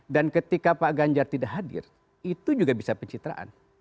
dan ketika pak ganjar tidak hadir itu juga bisa pencitraan